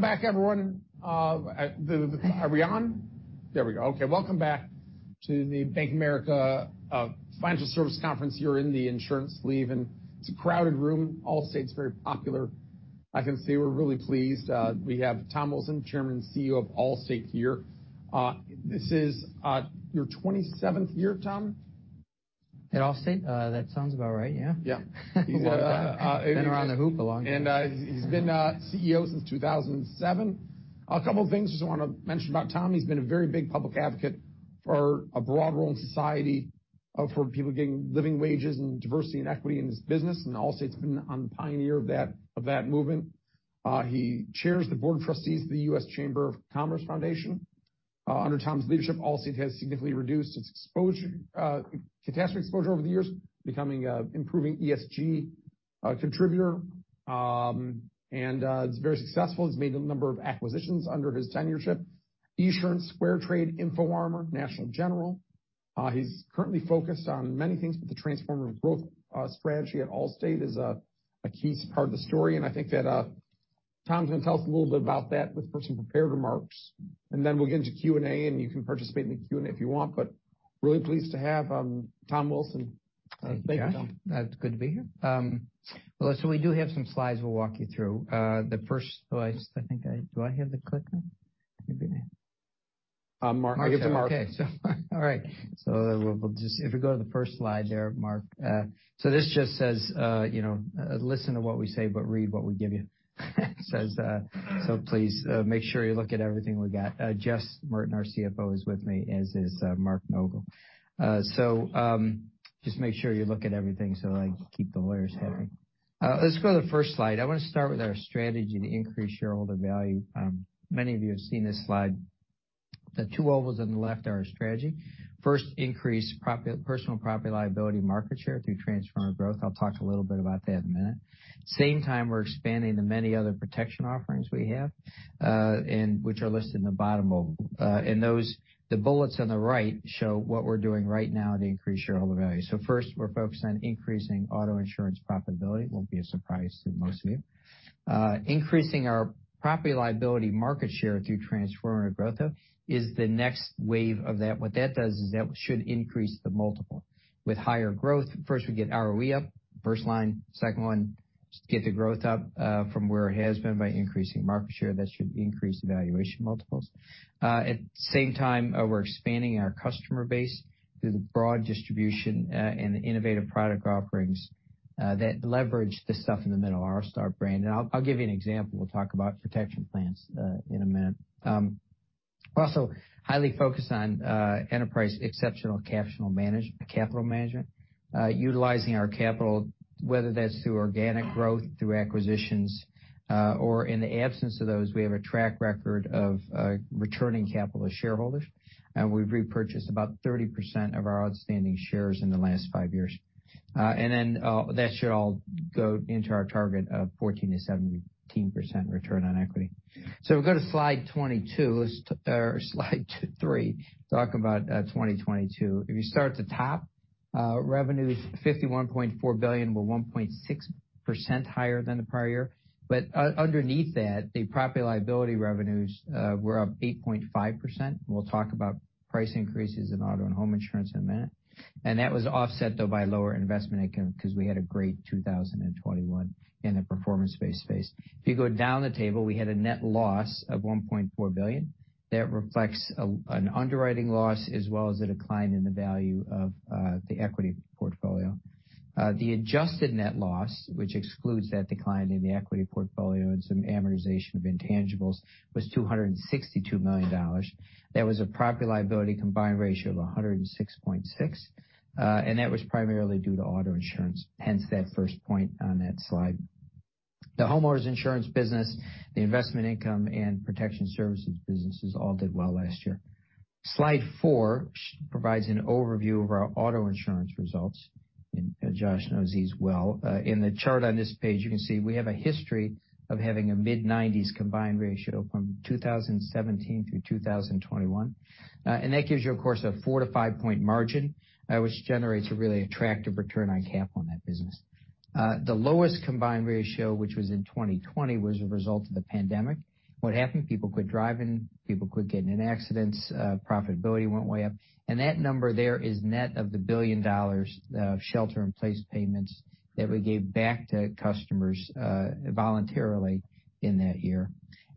Back everyone. Are we on? There we go. Okay. Welcome back to the Bank of America Financial Services Conference here in the insurance sleeve, and it's a crowded room. Allstate's very popular. I can say we're really pleased. We have Tom Wilson, Chairman and CEO of Allstate here. This is your twenty-seventh year, Tom? At Allstate? That sounds about right, yeah. Yeah. Been around the hoop a long time. He's been CEO since 2007. A couple of things just wanna mention about Tom. He's been a very big public advocate for a broader role in society for people getting living wages and diversity and equity in this business, and Allstate's been on the pioneer of that movement. He chairs the board of trustees of the U.S. Chamber of Commerce Foundation. Under Tom's leadership, Allstate has significantly reduced its catastrophe exposure over the years, becoming a improving ESG contributor. It's very successful. He's made a number of acquisitions under his tenureship. Esurance, SquareTrade, InfoArmor, National General. He's currently focused on many things, but the Transformative Growth strategy at Allstate is a key part of the story, and I think that Tom's gonna tell us a little bit about that with some prepared remarks. Then we'll get into Q&A, and you can participate in the Q&A if you want, but really pleased to have Tom Wilson. Thank you, Tom. It's good to be here. Well, we do have some slides we'll walk you through. The first slide. Do I have the clicker? Maybe not. Mark. I'll give to Mark. Okay. All right. We'll just If we go to the first slide there, Mark. This just says, you know, listen to what we say, but read what we give you. Says, please, make sure you look at everything we got. Jess Merten, our CFO, is with me, as is, Mark Nogal. Just make sure you look at everything, so like, keep the lawyers happy. Let's go to the first slide. I wanna start with our strategy to increase shareholder value. Many of you have seen this slide. The two ovals on the left are our strategy. First, increase personal property liability market share through Transformative Growth. I'll talk a little bit about that in a minute. Same time, we're expanding the many other protection offerings we have, which are listed in the bottom oval. Those, the bullets on the right show what we're doing right now to increase shareholder value. First, we're focused on increasing auto insurance profitability. Won't be a surprise to most of you. Increasing our property liability market share through Transformative Growth, though, is the next wave of that. What that does is that should increase the multiple. With higher growth, first we get ROE up, first line, second one, get the growth up from where it has been by increasing market share. That should increase the valuation multiples. At the same time, we're expanding our customer base through the broad distribution, the innovative product offerings that leverage the stuff in the middle, our star brand. I'll give you an example. We'll talk about protection plans in a minute. Also highly focused on enterprise exceptional capital management. Utilizing our capital, whether that's through organic growth, through acquisitions, or in the absence of those, we have a track record of returning capital to shareholders, and we've repurchased about 30% of our outstanding shares in the last five years. That should all go into our target of 14%-17% return on equity. We'll go to slide 22 or slide 23, talk about 2022. If you start at the top, revenue's $51.4 billion, or 1.6% higher than the prior year. Underneath that, the property liability revenues were up 8.5%. We'll talk about price increases in auto and home insurance in a minute. That was offset, though, by lower investment income because we had a great 2021 in the performance-based space. If you go down the table, we had a net loss of $1.4 billion. That reflects an underwriting loss, as well as a decline in the value of the equity portfolio. The adjusted net loss, which excludes that decline in the equity portfolio and some amortization of intangibles, was $262 million. There was a property liability combined ratio of 106.6, and that was primarily due to auto insurance, hence that first point on that slide. The homeowners insurance business, the investment income, and protection services businesses all did well last year. Slide four provides an overview of our auto insurance results. Josh knows these well. In the chart on this page, you can see we have a history of having a mid-90s combined ratio from 2017 through 2021. That gives you, of course, a four to five point margin, which generates a really attractive return on capital in that business. The lowest combined ratio, which was in 2020, was a result of the pandemic. What happened, people quit driving, people quit getting in accidents, profitability went way up. That number there is net of the $1 billion of shelter-in-place payments that we gave back to customers, voluntarily in that year.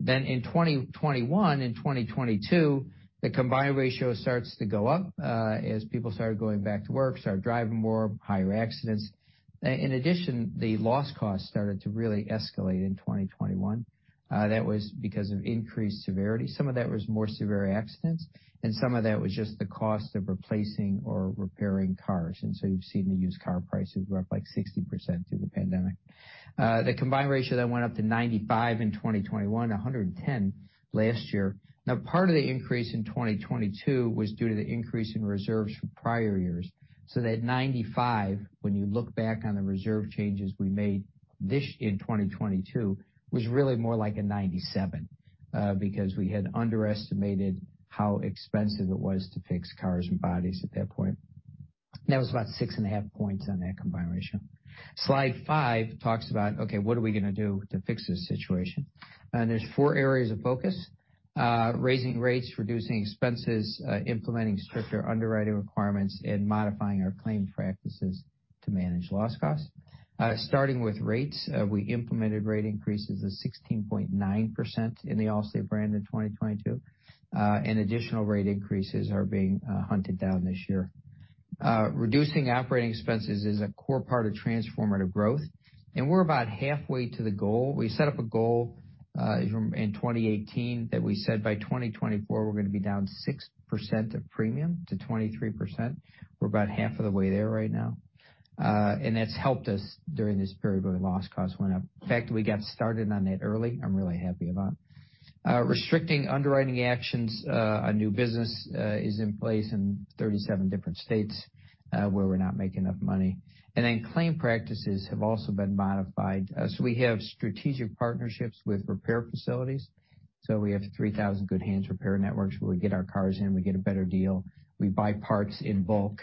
In 2021 and 2022, the combined ratio starts to go up, as people started going back to work, started driving more, higher accidents. In addition, the loss cost started to really escalate in 2021. That was because of increased severity. Some of that was more severe accidents, and some of that was just the cost of replacing or repairing cars. So you've seen the used car prices were up, like, 60% through the pandemic. The combined ratio that went up to 95 in 2021, 110 last year. Part of the increase in 2022 was due to the increase in reserves from prior years. So that 95, when you look back on the reserve changes we made this year in 2022, was really more like a 97, because we had underestimated how expensive it was to fix cars and bodies at that point. That was about 6.5 points on that combined ratio. Slide five talks about, okay, what are we gonna do to fix this situation? There's 4 areas of focus, raising rates, reducing expenses, implementing stricter underwriting requirements, and modifying our claim practices to manage loss costs. Starting with rates, we implemented rate increases of 16.9% in the Allstate brand in 2022. Additional rate increases are being hunted down this year. Reducing operating expenses is a core part of Transformative Growth, and we're about halfway to the goal. We set up a goal in 2018 that we said by 2024, we're gonna be down 6% of premium to 23%. We're about half of the way there right now. That's helped us during this period where the loss cost went up. In fact, we got started on that early. I'm really happy about it. Restricting underwriting actions on new business is in place in 37 different states where we're not making enough money. Claim practices have also been modified. We have strategic partnerships with repair facilities. We have 3,000 Good Hands Repair networks, where we get our cars in, we get a better deal. We buy parts in bulk,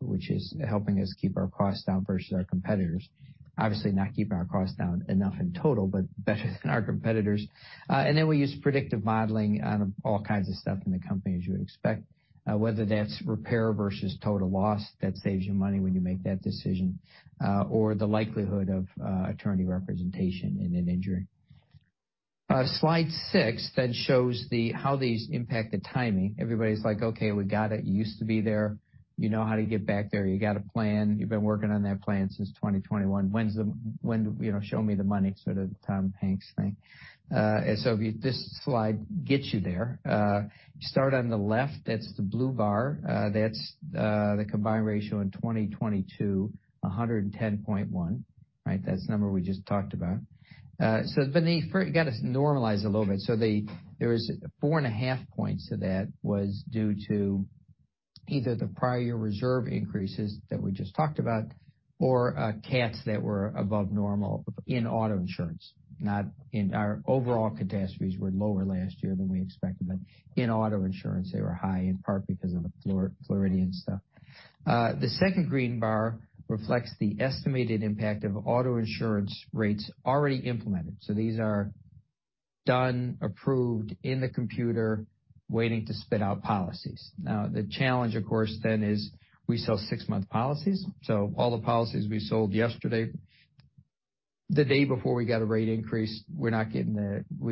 which is helping us keep our costs down versus our competitors. Obviously, not keeping our costs down enough in total, but better than our competitors. We use predictive modeling on all kinds of stuff in the company, as you would expect, whether that's repair versus total loss, that saves you money when you make that decision, or the likelihood of attorney representation in an injury. Slide six shows how these impact the timing. Everybody's like, "Okay, we got it. You used to be there. You know how to get back there. You got a plan. You've been working on that plan since 2021. You know, show me the money," sort of Tom Cruise thing. This slide gets you there. You start on the left, that's the blue bar. That's the combined ratio in 2022, 110.1%, right? That's the number we just talked about. You got to normalize a little bit. There was 4.5 points to that was due to either the prior year reserve increases that we just talked about or cats that were above normal in auto insurance. Our overall catastrophes were lower last year than we expected, but in auto insurance, they were high, in part because of the Floridian stuff. The second green bar reflects the estimated impact of auto insurance rates already implemented. These are done, approved, in the computer, waiting to spit out policies. The challenge, of course, then is we sell six-month policies. All the policies we sold yesterday, the day before we got a rate increase, we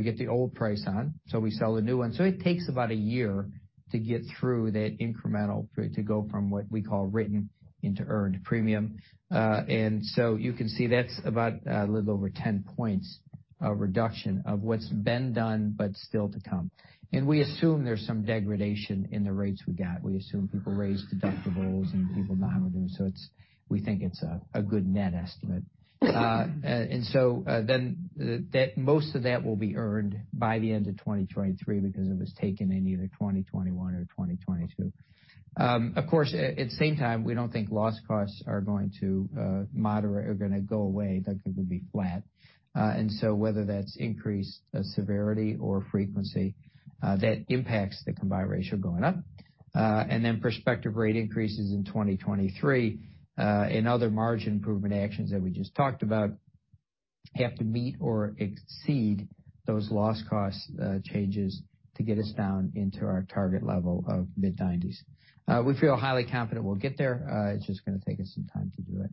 get the old price on, so we sell the new one. It takes about a year to get through that incremental, for it to go from what we call written into earned premium. You can see that's about a little over 10 points of reduction of what's been done, but still to come. We assume there's some degradation in the rates we got. We assume people raise deductibles and people know how we're doing, so we think it's a good net estimate. Most of that will be earned by the end of 2023 because it was taken in either 2021 or 2022. Of course, at the same time, we don't think loss costs are going to moderate or gonna go away. They're gonna be flat. Whether that's increased severity or frequency, that impacts the combined ratio going up. Then prospective rate increases in 2023 and other margin improvement actions that we just talked about have to meet or exceed those loss cost changes to get us down into our target level of mid-90s. We feel highly confident we'll get there. It's just gonna take us some time to do it.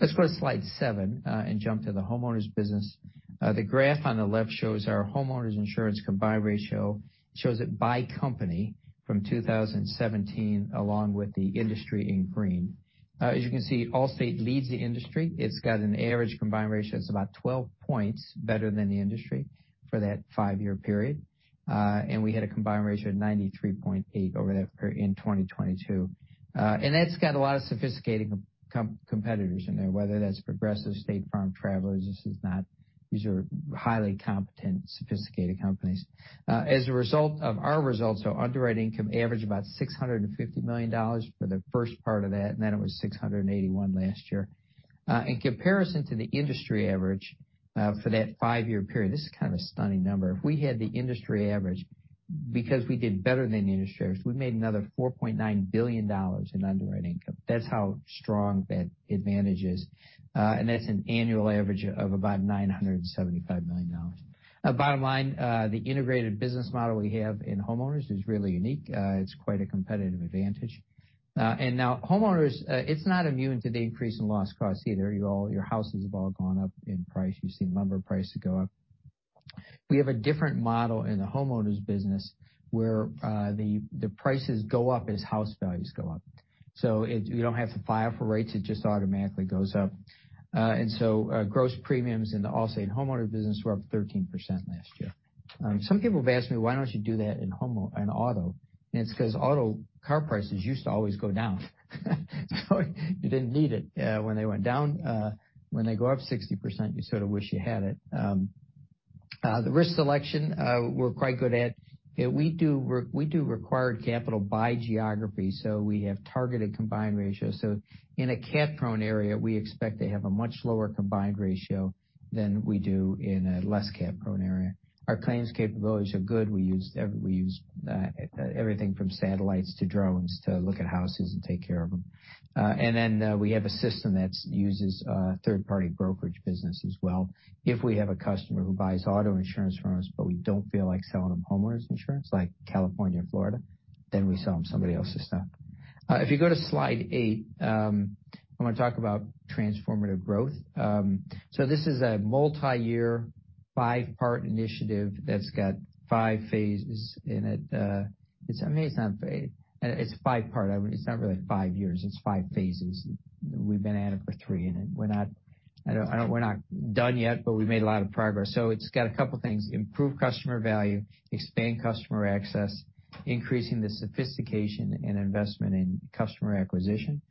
Let's go to slide seven and jump to the homeowners business. The graph on the left shows our homeowners insurance combined ratio. It shows it by company from 2017, along with the industry in green. As you can see, Allstate leads the industry. It's got an average combined ratio that's about 12 points better than the industry for that five-year period. We had a combined ratio of 93.8 in 2022. That's got a lot of sophisticated competitors in there, whether that's Progressive, State Farm, Travelers. These are highly competent, sophisticated companies. As a result of our results, so underwriting income averaged about $650 million for the first part of that, and then it was $681 million last year. In comparison to the industry average, for that five-year period, this is kind of a stunning number. If we had the industry average, because we did better than the industry average, we made another $4.9 billion in underwriting income. That's how strong that advantage is. That's an annual average of about $975 million. Bottom line, the integrated business model we have in homeowners is really unique. It's quite a competitive advantage. Now homeowners, it's not immune to the increase in loss costs either. Your houses have all gone up in price. You've seen lumber price go up. We have a different model in the homeowners business where the prices go up as house values go up. You don't have to file for rates, it just automatically goes up. Gross premiums in the Allstate homeowner business were up 13% last year. Some people have asked me, "Why don't you do that in auto?" It's 'cause auto car prices used to always go down. You didn't need it when they went down. When they go up 60%, you sort of wish you had it. The risk selection, we're quite good at. We do required capital by geography, so we have targeted combined ratios. In a cat-prone area, we expect to have a much lower combined ratio than we do in a less cat-prone area. Our claims capabilities are good. We use everything from satellites to drones to look at houses and take care of them. We have a system that's uses third-party brokerage business as well. If we have a customer who buys auto insurance from us, but we don't feel like selling them homeowners insurance, like California and Florida, then we sell them somebody else's stuff. If you go to slide eight, I'm gonna talk about Transformative Growth. This is a multiyear five-part initiative that's got five phases in it. I mean, it's not five-part. I mean, it's not really five years, it's five phases. We've been at it for three, we're not done yet, but we made a lot of progress. It's got a couple things: improve customer value, expand customer access, increasing the sophistication and investment in customer acquisition,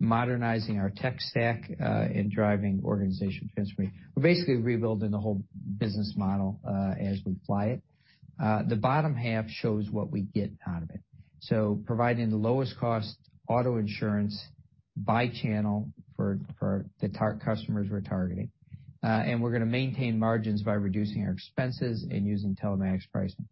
modernizing our tech stack, and driving organization transformation. We're basically rebuilding the whole business model as we fly it. The bottom half shows what we get out of it, providing the lowest cost auto insurance by channel for the customers we're targeting. We're gonna maintain margins by reducing our expenses and using telematics pricing.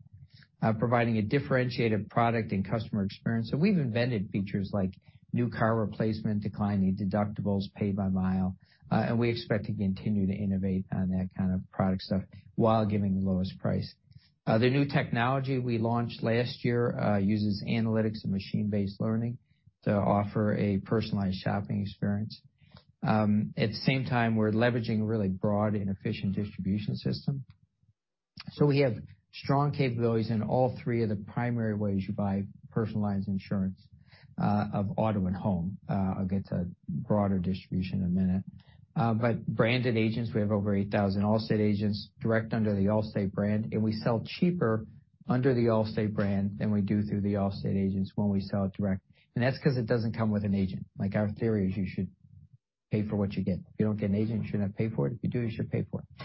Providing a differentiated product and customer experience, we've invented features like New Car Replacement, Declining Deductibles, pay by mile, and we expect to continue to innovate on that kind of product stuff while giving the lowest price. The new technology we launched last year uses analytics and machine-based learning to offer a personalized shopping experience. At the same time, we're leveraging a really broad and efficient distribution system. We have strong capabilities in all three of the primary ways you buy personalized insurance of auto and home. I'll get to broader distribution in a minute. Branded agents, we have over 8,000 Allstate agents direct under the Allstate brand, and we sell cheaper under the Allstate brand than we do through the Allstate agents when we sell it direct. That's 'cause it doesn't come with an agent. Like, our theory is you should pay for what you get. If you don't get an agent, you should not pay for it. If you do, you should pay for it.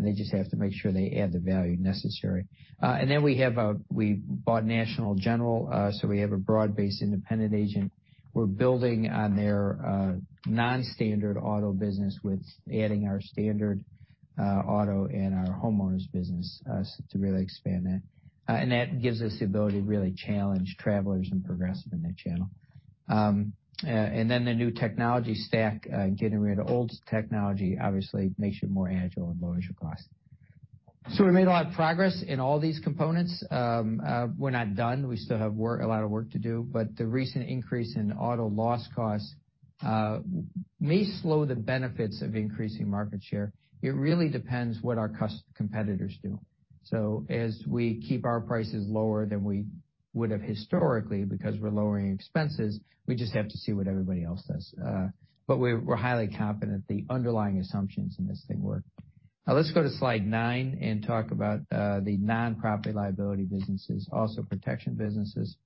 They just have to make sure they add the value necessary. Then we bought National General, so we have a broad-based independent agent. We're building on their non-standard auto business with adding our standard auto and our homeowners business, so to really expand that. That gives us the ability to really challenge Travelers and Progressive in that channel. Then the new technology stack, getting rid of old technology obviously makes you more agile and lowers your cost. We made a lot of progress in all these components. We're not done. We still have work, a lot of work to do. The recent increase in auto loss costs may slow the benefits of increasing market share. It really depends what our competitors do. As we keep our prices lower than we would've historically because we're lowering expenses, we just have to see what everybody else does. We're highly confident the underlying assumptions in this thing work. Let's go to slide nine and talk about the non-property liability businesses, also protection businesses.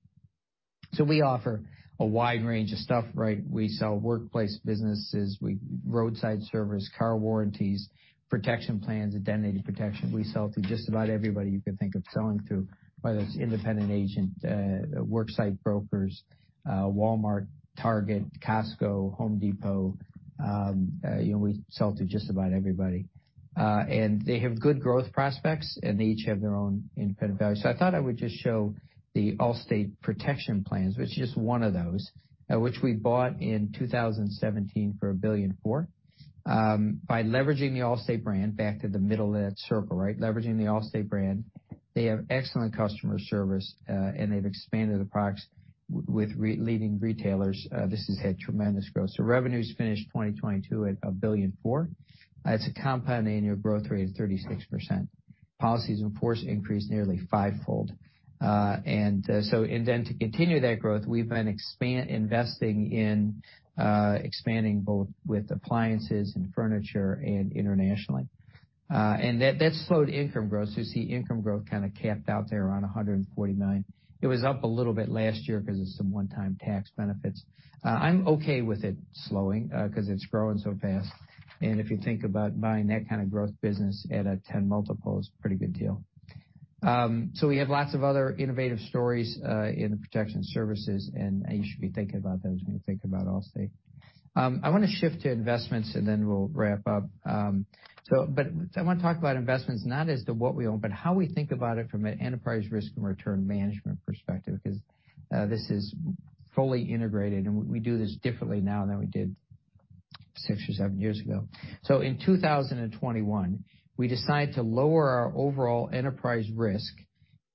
We offer a wide range of stuff, right? We sell workplace businesses. Roadside service, car warranties, protection plans, identity protection. We sell to just about everybody you can think of selling to, whether it's independent agent, worksite brokers, Walmart, Target, Costco, Home Depot. You know, we sell to just about everybody. They have good growth prospects, and they each have their own independent value. I thought I would just show the Allstate Protection Plans, which is just one of those, which we bought in 2017 for $1.4 billion. By leveraging the Allstate brand, back to the middle of that circle, right? Leveraging the Allstate brand, they have excellent customer service, and they've expanded the products with leading retailers. This has had tremendous growth. Revenues finished 2022 at $1.4 billion. It's a compounding annual growth rate of 36%. Policies in force increased nearly fivefold. To continue that growth, we've been investing in expanding both with appliances and furniture and internationally. That slowed income growth. You see income growth kinda capped out there around $149. It was up a little bit last year 'cause of some one-time tax benefits. I'm okay with it slowing 'cause it's growing so fast. If you think about buying that kind of growth business at a 10x multiple, it's a pretty good deal. We have lots of other innovative stories in the protection services, and you should be thinking about those when you think about Allstate. I wanna shift to investments, and then we'll wrap up. But I wanna talk about investments not as to what we own, but how we think about it from an enterprise risk and return management perspective 'cause this is fully integrated, and we do this differently now than we did six or seven years ago. In 2021, we decided to lower our overall enterprise risk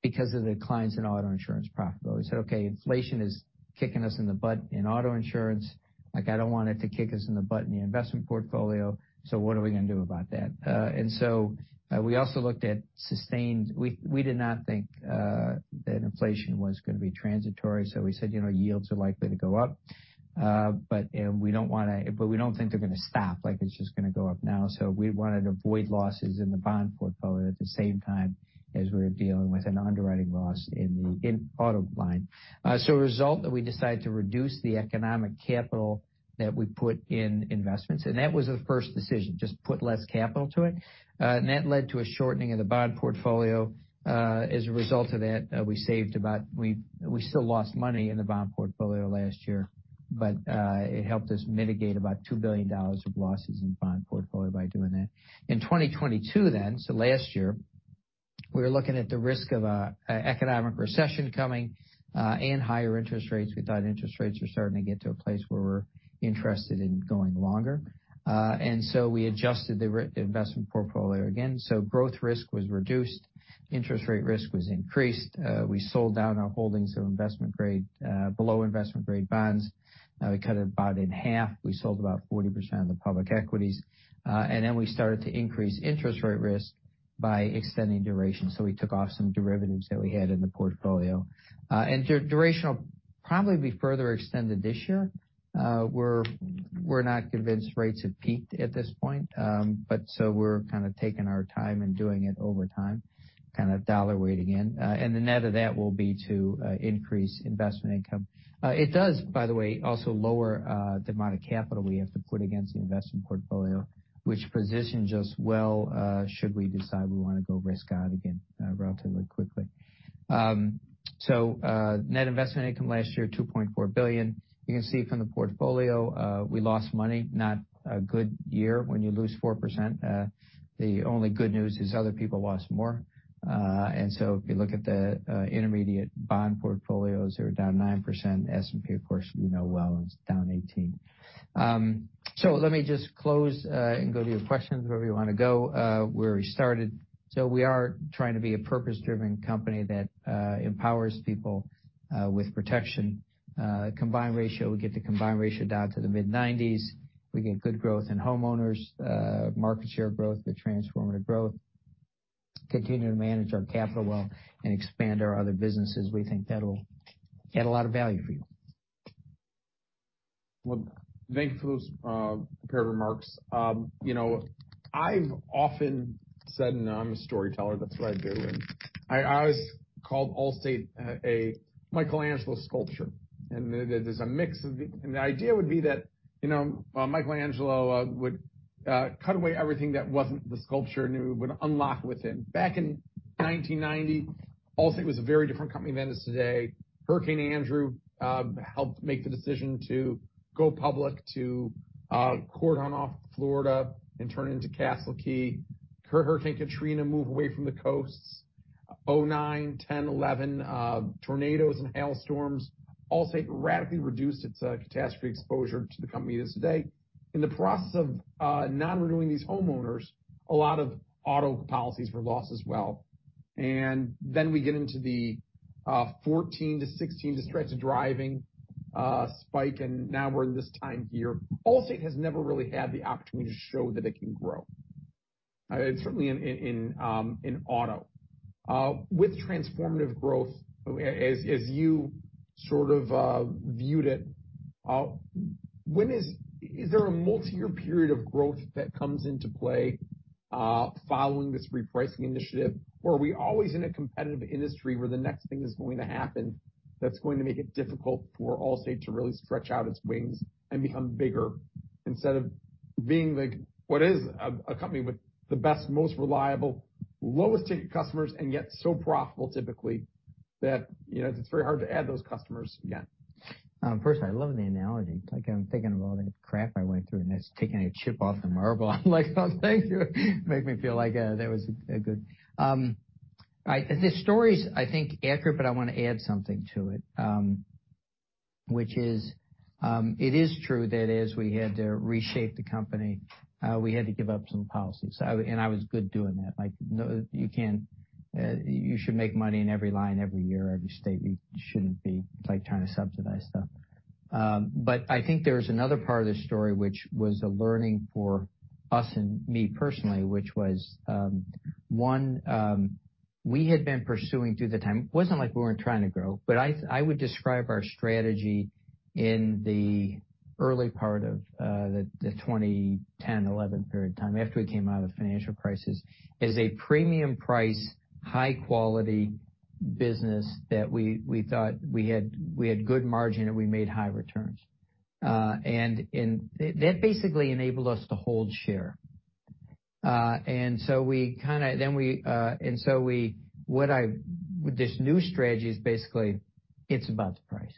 because of the declines in auto insurance profitability. We said, "Okay, inflation is kicking us in the butt in auto insurance. Like, I don't want it to kick us in the butt in the investment portfolio, so what are we gonna do about that?" We also looked at sustained. We, we did not think that inflation was gonna be transitory, we said, "You know, yields are likely to go up, but, and we don't think they're gonna stop, like it's just gonna go up now." We wanted to avoid losses in the bond portfolio at the same time as we were dealing with an underwriting loss in the in-auto line. A result that we decided to reduce the economic capital that we put in investments, and that was the first decision, just put less capital to it. That led to a shortening of the bond portfolio. As a result of that, we still lost money in the bond portfolio last year. It helped us mitigate about $2 billion of losses in bond portfolio by doing that. In 2022, last year, we were looking at the risk of a economic recession coming, and higher interest rates. We thought interest rates were starting to get to a place where we're interested in going longer. We adjusted the investment portfolio again. Growth risk was reduced. Interest rate risk was increased. We sold down our holdings of investment grade, below investment grade bonds. We cut it about in half. We sold about 40% of the public equities. Then we started to increase interest rate risk by extending duration, so we took off some derivatives that we had in the portfolio. Duration will probably be further extended this year. We're not convinced rates have peaked at this point. We're kind of taking our time and doing it over time, kind of dollar weighting in. The net of that will be to increase investment income. It does, by the way, also lower the amount of capital we have to put against the investment portfolio, which positions us well, should we decide we wanna go risk out again, relatively quickly. Net investment income last year, $2.4 billion. You can see from the portfolio, we lost money. Not a good year when you lose 4%. The only good news is other people lost more. If you look at the intermediate bond portfolios, they were down 9%. S&P, of course, we know well is down 18. Let me just close and go to your questions, wherever you wanna go, where we started. We are trying to be a purpose-driven company that empowers people with protection. Combined ratio, we get the combined ratio down to the mid-90s. We get good growth in homeowners, market share growth with Transformative Growth, continue to manage our capital well, and expand our other businesses. We think that'll add a lot of value for you. Well, thank you for those prepared remarks. You know, I've often said, and I'm a storyteller, that's what I do, and I always called Allstate a Michelangelo sculpture, there's a mix of the. The idea would be that, you know, Michelangelo would cut away everything that wasn't the sculpture and it would unlock within. Back in 1990, Allstate was a very different company than it is today. Hurricane Andrew helped make the decision to go public to cordon off Florida and turn into Castle Key. Hurricane Katrina moved away from the coasts. 2009, 2010, 2011, tornadoes and hailstorms, Allstate radically reduced its catastrophe exposure to the company it is today. In the process of non-renewing these homeowners, a lot of auto policies were lost as well. Then we get into the 14-16 distracted driving spike, and now we're in this time here. Allstate has never really had the opportunity to show that it can grow, certainly in auto. With Transformative Growth, as you sort of viewed it, is there a multiyear period of growth that comes into play following this repricing initiative? Or are we always in a competitive industry where the next thing is going to happen that's going to make it difficult for Allstate to really stretch out its wings and become bigger instead of being like what is a company with the best, most reliable, lowest ticket customers, and yet so profitable typically that, you know, it's very hard to add those customers again? First, I love the analogy. Like I'm thinking of all the crap I went through, and it's taking a chip off the marble. I'm like, "Oh, thank you." Make me feel like that was a good. The story's, I think, accurate, but I wanna add something to it, which is, it is true that as we had to reshape the company, we had to give up some policies. I was good doing that. Like, no, you can't, you should make money in every line, every year, every state. We shouldn't be, like, trying to subsidize stuff. I think there's another part of the story which was a learning for us and me personally, which was, one, we had been pursuing through the time. It wasn't like we weren't trying to grow, but I would describe our strategy in the early part of the 2010, 2011 period of time, after we came out of the financial crisis, as a premium price, high quality business that we thought we had, we had good margin, and we made high returns. That basically enabled us to hold share. We kinda, then we, and so we, This new strategy is basically it's about the price.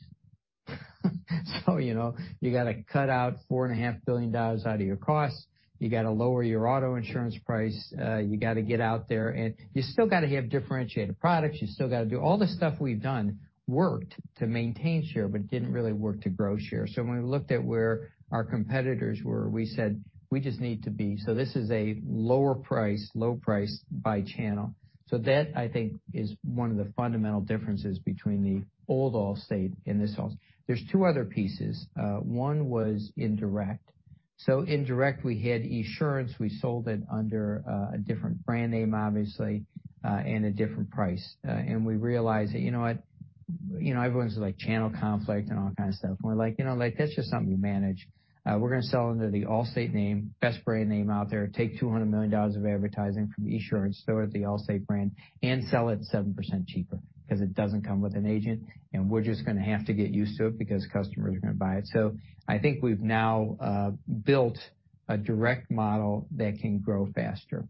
You know, you gotta cut out $4.5 billion out of your costs. You gotta lower your auto insurance price. You gotta get out there, and you still gotta have differentiated products. You still gotta do all the stuff we've done worked to maintain share, but it didn't really work to grow share. When we looked at where our competitors were, we said, "We just need to be." This is a lower price, low price by channel. That, I think, is one of the fundamental differences between the old Allstate and this Allstate. There's two other pieces. One was indirect. Indirect, we had Esurance. We sold it under a different brand name, obviously, and a different price. We realized that, you know what? You know, everyone's like channel conflict and all that kind of stuff, and we're like, "You know, like, that's just something you manage." We're gonna sell under the Allstate name, best brand name out there, take $200 million of advertising from Esurance, throw it at the Allstate brand, and sell it 7% cheaper 'cause it doesn't come with an agent, and we're just gonna have to get used to it because customers are gonna buy it. I think we've now built a direct model that can grow faster.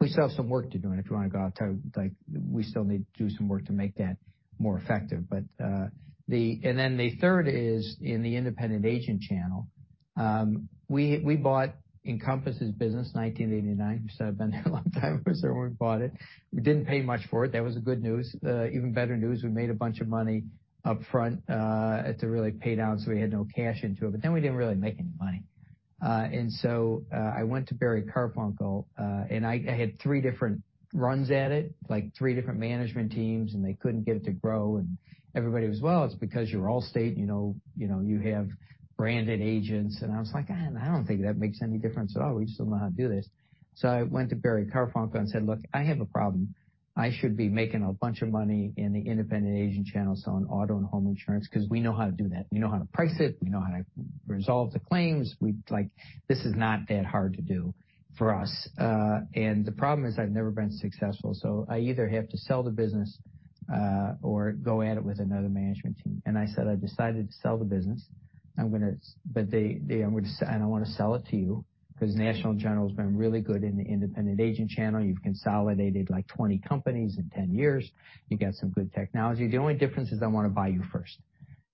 We still have some work to do, we still need to do some work to make that more effective. Then the third is in the independent agent channel. We bought Encompass' business in 1989. So I've been there a long time because when we bought it, we didn't pay much for it. That was the good news. Even better news, we made a bunch of money upfront to really pay down, so we had no cash into it. We didn't really make any money. I went to Barry Karfunkel and I had three different runs at it, like three different management teams, and they couldn't get it to grow. Everybody was, "Well, it's because you're Allstate, you know, you know, you have branded agents." I was like, "I don't think that makes any difference at all. We just don't know how to do this." I went to Barry Karfunkel and said, "Look, I have a problem. I should be making a bunch of money in the independent agent channel selling auto and home insurance because we know how to do that. We know how to price it. We know how to resolve the claims. Like, this is not that hard to do for us. The problem is I've never been successful, I either have to sell the business or go at it with another management team." I said, "I've decided to sell the business. I wanna sell it to you because National General's been really good in the independent agent channel. You've consolidated, like, 20 companies in 10 years. You got some good technology. The only difference is I wanna buy you first.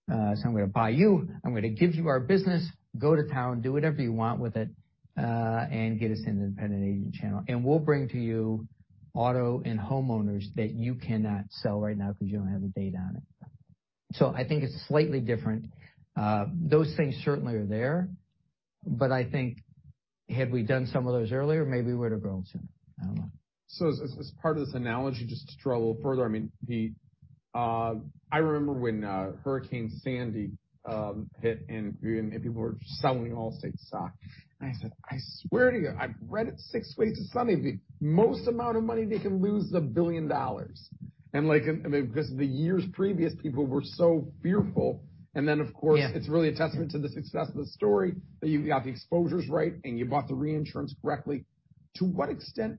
I'm gonna buy you. I'm gonna give you our business, go to town, do whatever you want with it, and get us in the independent agent channel. We'll bring to you auto and homeowners that you cannot sell right now because you don't have the data on it." I think it's slightly different. Those things certainly are there, but I think had we done some of those earlier, maybe we would've grown sooner. I don't know. As part of this analogy, just to travel further, I mean, the, I remember when Hurricane Sandy hit and people were selling Allstate stock. I said, "I swear to you, I've read it six ways to Sunday. The most amount of money they can lose is $1 billion." Like, because the years previous, people were so fearful. Then, of course- Yeah. -it's really a testament to the success of the story that you got the exposures right and you bought the reinsurance correctly. To what extent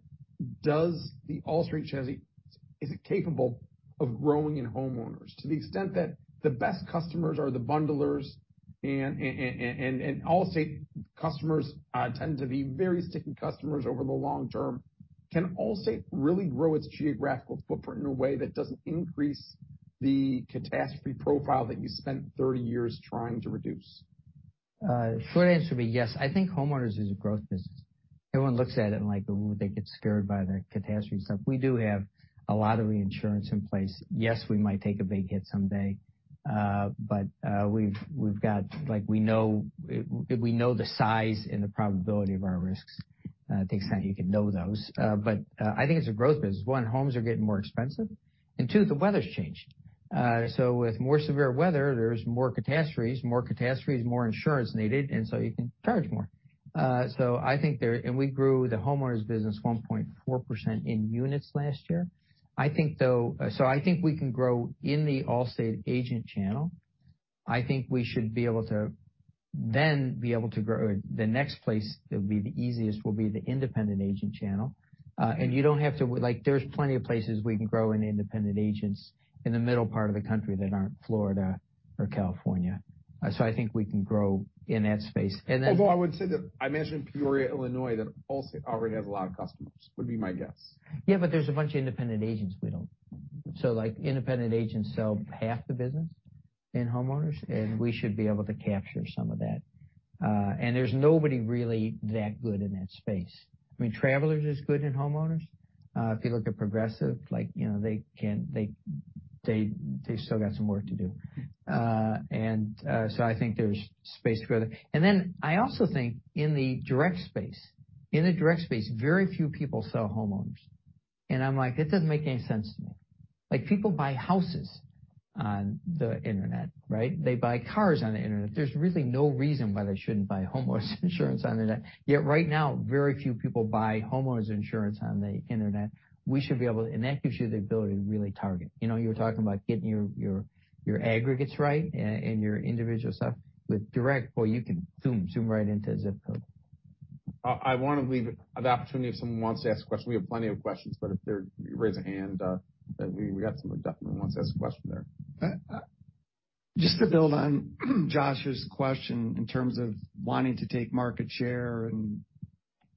does the Allstate chassis, is it capable of growing in homeowners? To the extent that the best customers are the bundlers and Allstate customers tend to be very sticky customers over the long term, can Allstate really grow its geographical footprint in a way that doesn't increase the catastrophe profile that you spent 30 years trying to reduce? Short answer would be yes. I think homeowners is a growth business. Everyone looks at it and like, they get scared by the catastrophe stuff. We do have a lot of reinsurance in place. Yes, we might take a big hit someday, but, like, we know the size and the probability of our risks to the extent you can know those. But I think it's a growth business. One, homes are getting more expensive, and two, the weather's changed. With more severe weather, there's more catastrophes, more insurance needed, and so you can charge more. I think there-We grew the homeowners business 1.4% in units last year. I think, though, I think we can grow in the Allstate agent channel. I think we should be able to then be able to grow. The next place that would be the easiest will be the independent agent channel. There's plenty of places we can grow in independent agents in the middle part of the country that aren't Florida or California. I think we can grow in that space. And then- Although I would say that I mentioned Peoria, Illinois, that Allstate already has a lot of customers, would be my guess. There's a bunch of independent agents we don't. Like, independent agents sell half the business in homeowners, we should be able to capture some of that. There's nobody really that good in that space. I mean, Travelers is good in homeowners. If you look at Progressive, like, you know, they've still got some work to do. I think there's space to grow there. I also think in the direct space, very few people sell homeowners. I'm like, that doesn't make any sense to me. Like, people buy houses on the internet, right? They buy cars on the internet. There's really no reason why they shouldn't buy homeowners insurance on the internet. Right now, very few people buy homeowners insurance on the internet. We should be able to-That gives you the ability to really target. You know, you were talking about getting your aggregates right and your individual stuff. With direct, boy, you can zoom right into a zip code. I wanna leave the opportunity if someone wants to ask a question. We have plenty of questions. If they raise a hand, we got someone who definitely wants to ask a question there. Just to build on Josh's question in terms of wanting to take market share and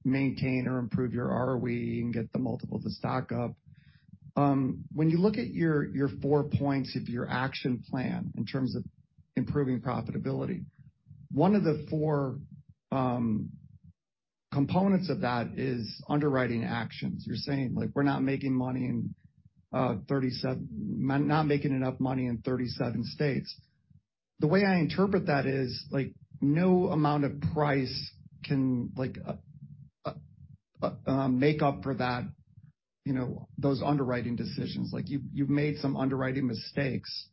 maintain or improve your ROE and get the multiple of the stock up, when you look at your four points of your action plan in terms of improving profitability, one of the four components of that is underwriting actions. You're saying, like, we're not making enough money in 37 states. The way I interpret that is, like, no amount of price can, like, make up for that, you know, those underwriting decisions. Like, you've made some underwriting mistakes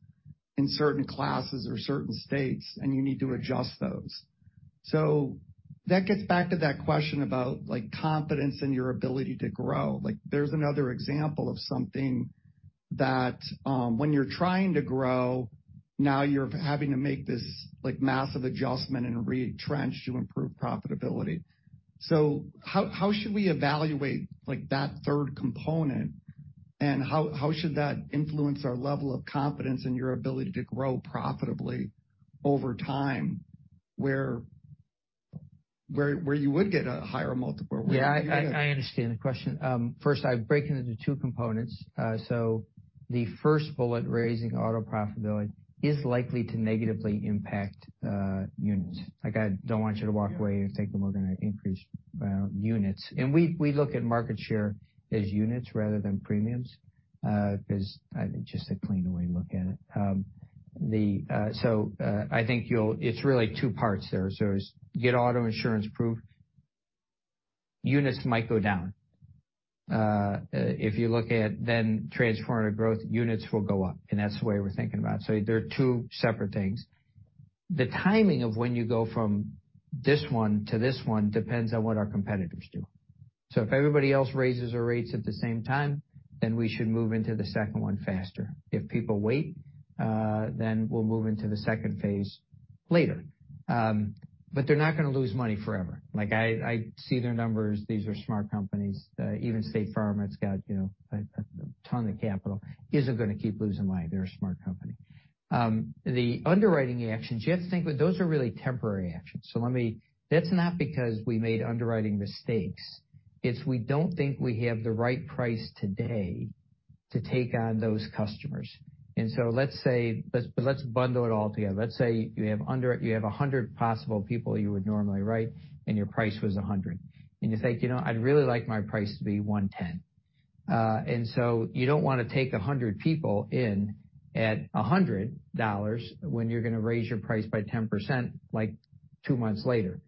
in certain classes or certain states, and you need to adjust those. That gets back to that question about, like, confidence in your ability to grow. Like, there's another example of something that, when you're trying to grow, now you're having to make this, like, massive adjustment and retrench to improve profitability. How should we evaluate, like, that third component, and how should that influence our level of confidence in your ability to grow profitably over time where? Where you would get a higher multiple. Yeah. I understand the question. First I'd break it into two components. The first bullet, raising auto profitability, is likely to negatively impact units. Like, I don't want you to walk away and think that we're gonna increase units. We look at market share as units rather than premiums, 'cause I think it's just a cleaner way to look at it. I think it's really two parts there. It's get auto insurance approved, units might go down. If you look at then Transformative Growth, units will go up, and that's the way we're thinking about it. They're two separate things. The timing of when you go from this one to this one depends on what our competitors do. If everybody else raises their rates at the same time, we should move into the second one faster. If people wait, we'll move into the second phase later. They're not gonna lose money forever. Like, I see their numbers. These are smart companies. Even State Farm that's got, you know, a ton of capital isn't gonna keep losing money. They're a smart company. The underwriting actions, you have to think with those are really temporary actions. That's not because we made underwriting mistakes. It's we don't think we have the right price today to take on those customers. Let's bundle it all together. Let's say you have 100 possible people you would normally write, and your price was $100. You think, "You know, I'd really like my price to be $110." You don't wanna take 100 people in at $100 when you're gonna raise your price by 10% like two months later.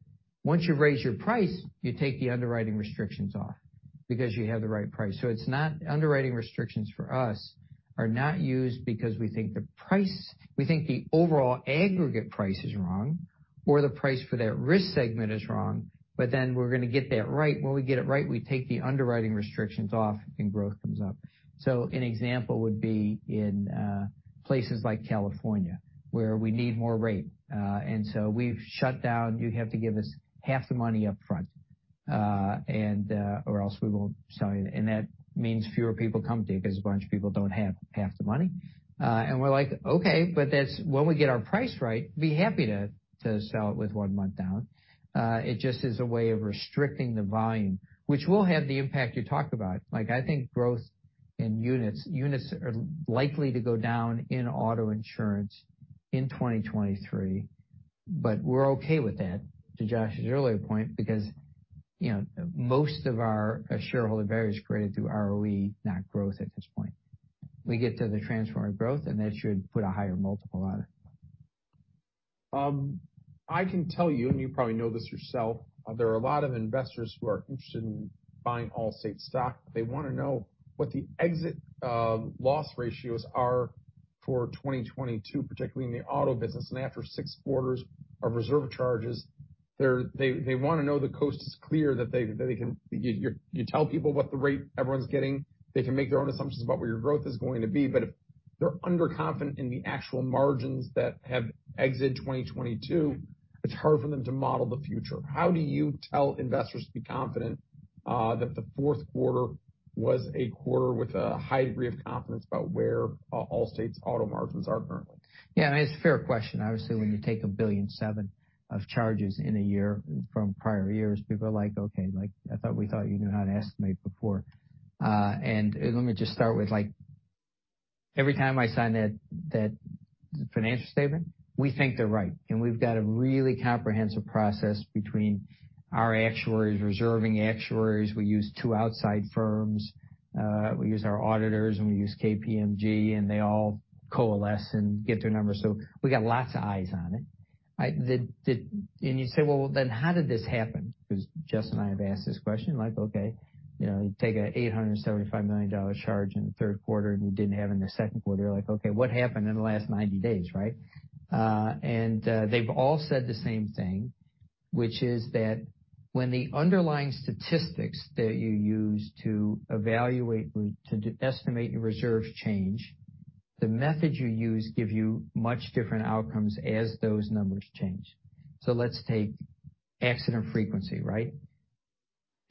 Once you've raised your price, you take the underwriting restrictions off because you have the right price. Underwriting restrictions for us are not used because we think the overall aggregate price is wrong or the price for that risk segment is wrong, but then we're gonna get that right. When we get it right, we take the underwriting restrictions off and growth comes up. An example would be in places like California, where we need more rate. We've shut down, you have to give us half the money up front, and, or else we won't sell you. That means fewer people come to you because a bunch of people don't have half the money. We're like, "Okay," but that's when we get our price right, be happy to sell it with one month down. It just is a way of restricting the volume, which will have the impact you talked about. Like, I think growth in units are likely to go down in auto insurance in 2023, but we're okay with that, to Josh's earlier point, because, you know, most of our shareholder value is created through ROE, not growth at this point. We get to the Transformative Growth, and that should put a higher multiple on it. I can tell you, and you probably know this yourself, there are a lot of investors who are interested in buying Allstate stock. They wanna know what the exit loss ratios are for 2022, particularly in the auto business. After six quarters of reserve charges, they wanna know the coast is clear, that they can. You tell people what the rate everyone's getting. They can make their own assumptions about what your growth is going to be. If they're underconfident in the actual margins that have exited 2022, it's hard for them to model the future. How do you tell investors to be confident that the Q4 was a quarter with a high degree of confidence about where Allstate's auto margins are currently? Yeah, it's a fair question. Obviously, when you take a $1.7 billion of charges in a year from prior years, people are like, "Okay," like, "I thought, we thought you knew how to estimate before." Let me just start with, like, every time I sign that financial statement, we think they're right. We've got a really comprehensive process between our actuaries, reserving actuaries. We use two outside firms. We use our auditors, and we use KPMG, and they all coalesce and get their numbers. We got lots of eyes on it. You say, "Well, then how did this happen?" 'Cause Jess and I have asked this question like, okay, you know, you take an $875 million charge in the Q3 and you didn't have it in the Q2, you're like, "Okay, what happened in the last 90 days," right? They've all said the same thing, which is that when the underlying statistics that you use to evaluate to estimate your reserves change, the methods you use give you much different outcomes as those numbers change. Let's take accident frequency, right?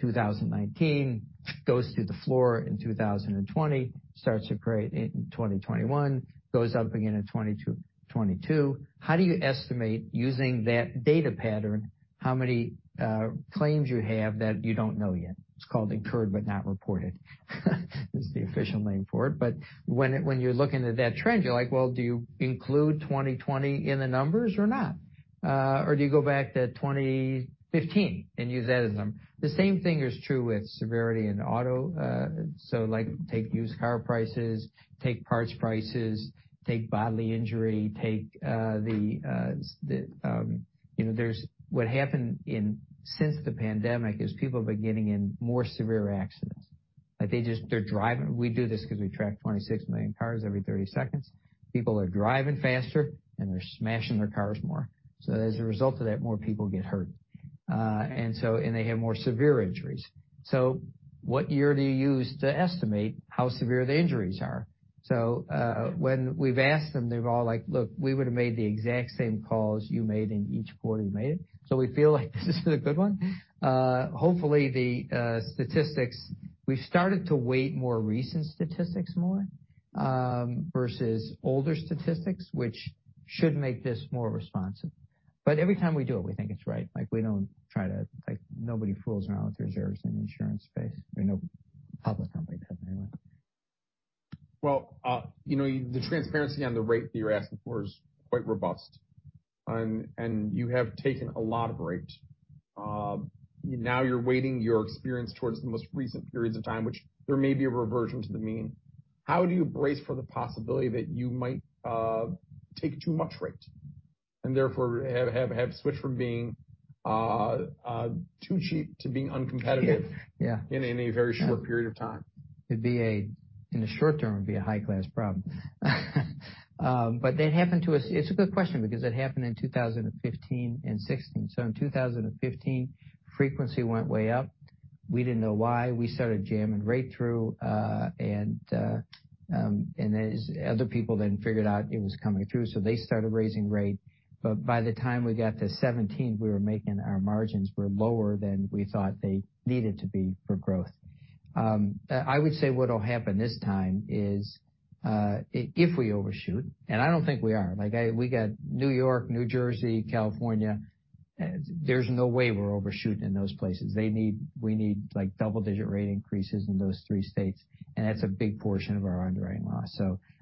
2019 goes through the floor in 2020, starts to create in 2021, goes up again in 2022. How do you estimate using that data pattern, how many claims you have that you don't know yet? It's called incurred but not reported. It's the official name for it. When you're looking at that trend, you're like, well, do you include 2020 in the numbers or not? Or do you go back to 2015 and use that as a num? The same thing is true with severity in auto. Like, take used car prices, take parts prices, take bodily injury, take, the-You know, what happened since the pandemic is people have been getting in more severe accidents. Like, they just, they're driving. We do this 'cause we track 26 million cars every 30 seconds. People are driving faster, and they're smashing their cars more. As a result of that, more people get hurt. And they have more severe injuries. What year do you use to estimate how severe the injuries are? When we've asked them, they're all like, "Look, we would have made the exact same calls you made in each quarter you made it." We feel like this is a good one. Hopefully, the statistics, we've started to weight more recent statistics more, versus older statistics, which should make this more responsive. Every time we do it, we think it's right. Like, nobody fools around with reserves in the insurance space, or no public company does anyway. Well, you know, the transparency on the rate that you're asking for is quite robust, and you have taken a lot of rate. Now you're weighting your experience towards the most recent periods of time, which there may be a reversion to the mean. How do you brace for the possibility that you might take too much rate and therefore have switched from being too cheap to being uncompetitive? Yeah. -in a very short period of time? It'd be. In the short term, it would be a high-class problem. That happened to us. It's a good question because it happened in 2015 and 2016. In 2015, frequency went way up. We didn't know why. We started jamming rate through, and as other people then figured out it was coming through, so they started raising rate. By the time we got to 2017, we were making our margins were lower than we thought they needed to be for growth. I would say what'll happen this time is, if we overshoot, and I don't think we are, like, we got New York, New Jersey, California, there's no way we're overshooting in those places. We need, like, double-digit rate increases in those three states, and that's a big portion of our underwriting loss.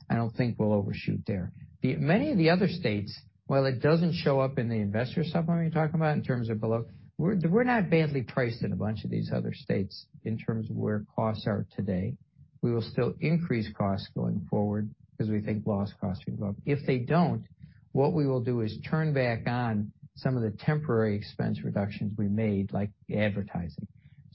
I don't think we'll overshoot there. Many of the other states, while it doesn't show up in the investor supplement you're talking about in terms of below, we're not badly priced in a bunch of these other states in terms of where costs are today. We will still increase costs going forward because we think loss costs are involved. If they don't, what we will do is turn back on some of the temporary expense reductions we made, like advertising.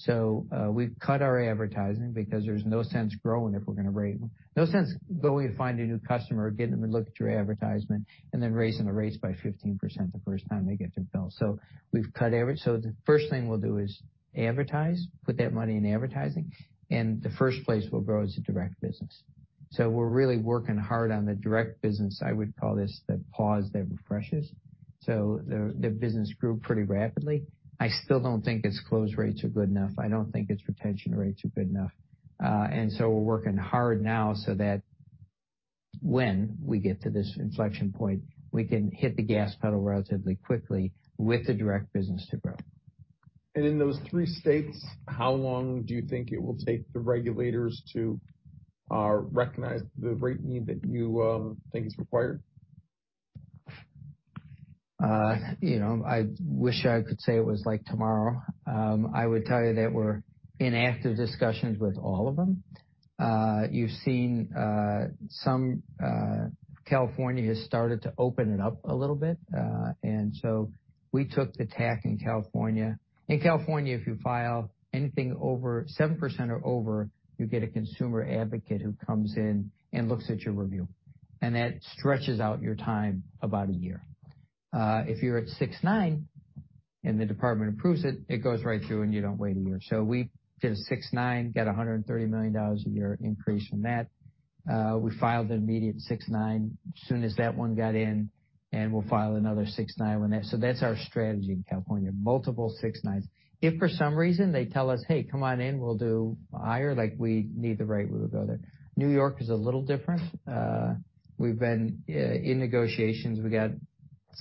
We've cut our advertising because there's no sense growing if we're gonna raise them. No sense going to find a new customer, getting them to look at your advertisement, and then raising the rates by 15% the first time they get their bill. We've cut average. The first thing we'll do is advertise, put that money in advertising, and the first place we'll grow is the direct business. We're really working hard on the direct business. I would call this the pause that refreshes. The business grew pretty rapidly. I still don't think its close rates are good enough. I don't think its retention rates are good enough. We're working hard now so that when we get to this inflection point, we can hit the gas pedal relatively quickly with the direct business to grow. In those three states, how long do you think it will take the regulators to recognize the rate need that you think is required? You know, I wish I could say it was like tomorrow. I would tell you that we're in active discussions with all of them. You've seen some California has started to open it up a little bit. So we took the tack in California. In California, if you file anything over 7% or over, you get a consumer advocate who comes in and looks at your review, and that stretches out your time about a year. If you're at 6.9 and the department approves it goes right through, and you don't wait a year. So we did a 6.9, got $130 million a year increase from that. We filed an immediate 6.9 as soon as that one got in, and we'll file another 6.9 on that. That's our strategy in California, multiple 6.9s. If for some reason they tell us, "Hey, come on in, we'll do higher." Like, we need the rate, we will go there. New York is a little different. We've been in negotiations. We got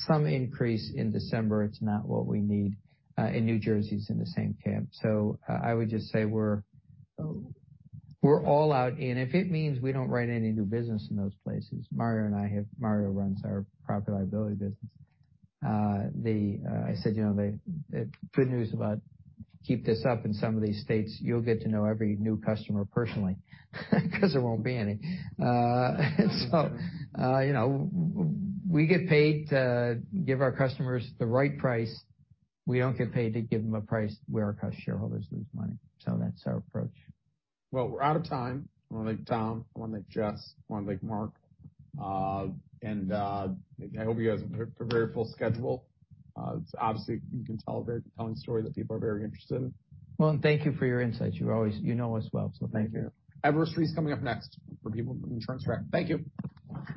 some increase in December. It's not what we need. New Jersey's in the same camp. I would just say we're all out. If it means we don't write any new business in those places, Mario and I have. Mario runs our profit liability business. I said, you know, the good news about keep this up in some of these states, you'll get to know every new customer personally 'cause there won't be any. You know, we get paid to give our customers the right price. We don't get paid to give them a price where our shareholders lose money. That's our approach. Well, we're out of time. I wanna thank Tom, I wanna thank Jess, I wanna thank Mark. I hope you guys have a very full schedule. It's obviously you can tell a very compelling story that people are very interested in. Well, thank you for your insights. You know us well, thank you. Everest Re is coming up next for people in the insurance track. Thank you.